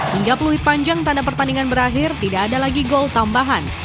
hingga peluit panjang tanda pertandingan berakhir tidak ada lagi gol tambahan